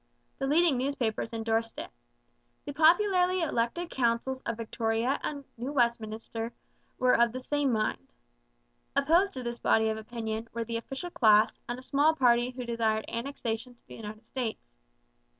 The leading newspapers endorsed it. The popularly elected councils of Victoria and New Westminster were of the same mind. Opposed to this body of opinion were the official class and a small party who desired annexation to the United States.